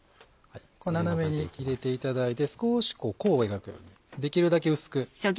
こう斜めに入れていただいて少しこう弧を描くようにできるだけ薄く。